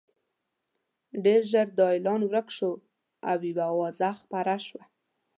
ډېر ژر دا اعلان ورک شو او یوه اوازه خپره شوه.